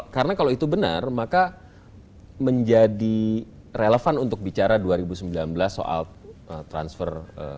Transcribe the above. karena kalau itu benar maka menjadi relevan untuk bicara dua ribu sembilan belas soal transfer